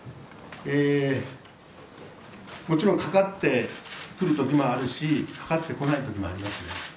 もちろん、かかってくるときもあるし、かかってこないときもあります。